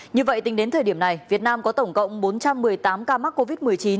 như vậy tính đến thời điểm này việt nam có tổng cộng bốn trăm một mươi tám ca mắc covid một mươi chín